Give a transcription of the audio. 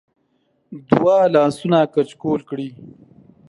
د وه لاسونه کچکول کړی